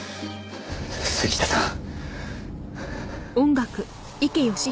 杉下さん。